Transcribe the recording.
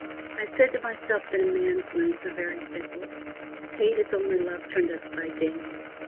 I said to myself that a man's moods are very fickle. Hate is only love turned upside down.